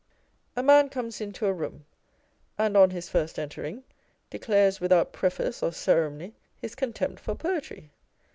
A man comes into a room, and on his first entering, declares without preface or ceremony his contempt for poetry.